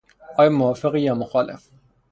آیا موافقی یا مخالف؟